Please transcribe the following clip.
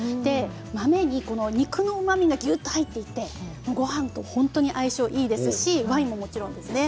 豆に肉のうまみがぎゅっと入っていてごはんと本当に相性がいいですしワインももちろんですね。